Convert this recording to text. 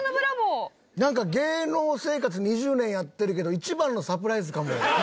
なんか芸能生活２０年やってるけど一番のサプライズかも。